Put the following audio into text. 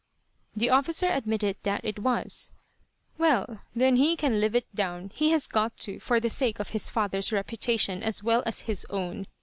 The officer admitted that it was. "Well, then he can live it down. He has got to, for the sake of his father's reputation as well as his own.